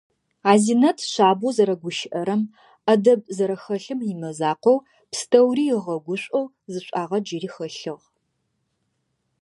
Азинэт шъабэу зэрэгущыӏэрэм, ӏэдэб зэрэхэлъым имызакъоу, пстэури ыгъэгушӏоу зы шӏуагъэ джыри хэлъыгъ.